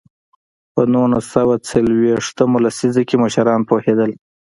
په نولس سوه څلوېښت مه لسیزه کې مشران پوهېدل.